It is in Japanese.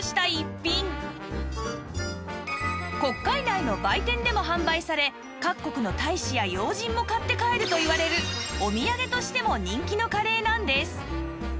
国会内の売店でも販売され各国の大使や要人も買って帰るといわれるお土産としても人気のカレーなんです